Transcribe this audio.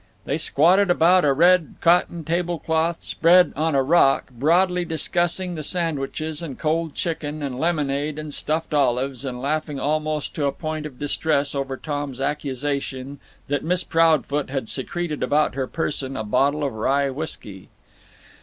They squatted about a red cotton table cloth spread on a rock, broadly discussing the sandwiches and cold chicken and lemonade and stuffed olives, and laughing almost to a point of distress over Tom's accusation that Miss Proudfoot had secreted about her person a bottle of rye whisky.